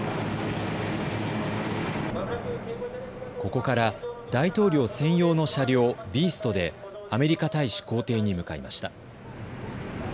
ここから大統領専用の車両、ビーストでアメリカ大使公邸に向かいました。